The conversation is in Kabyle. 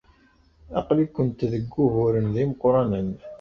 Aql-ikent deg wuguren d imeqranen.